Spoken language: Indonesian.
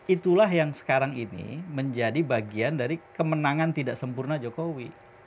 itulah yang sekarang ini menjadi bagian dari kemenangan tidak sempurna jokowi